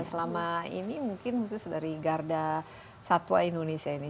selama ini mungkin khusus dari garda satwa indonesia ini